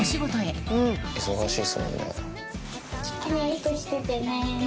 忙しいですもんね。